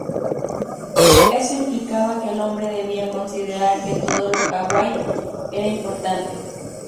Eso implicaba que el hombre debía considerar que todo lo "kawaii" era importante.